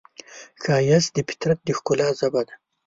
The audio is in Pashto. ښایست د فطرت د ښکلا ژبه ده